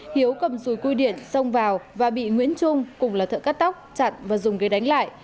hiếu cầm dùi cui điện xông vào và bị nguyễn trung cùng là thợ cắt tóc chặn và dùng ghế đánh lại